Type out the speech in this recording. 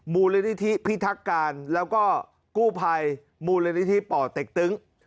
มูลนิธิพิทักการแล้วก็กู้ภัยมูลนิธิป่อเต็กตึ้ง